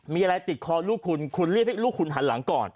มีอะไรติดคอลูกคุณคุณรีบให้ลูกคุณหันหลังก่อน